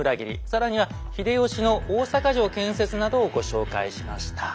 更には秀吉の大坂城建設などをご紹介しました。